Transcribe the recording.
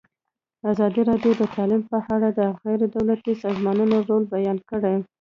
ازادي راډیو د تعلیم په اړه د غیر دولتي سازمانونو رول بیان کړی.